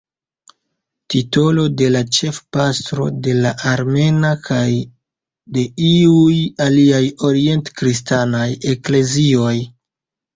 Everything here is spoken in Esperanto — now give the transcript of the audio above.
Titolo de la ĉefpastro de la armena kaj de iuj aliaj orient-kristanaj eklezioj.